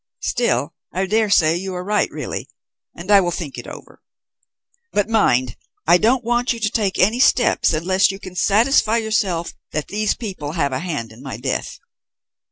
Still, I dare say you are right really, and I will think it over. But mind, I don't want you to take any steps unless you can satisfy yourself that these people have a hand in my death.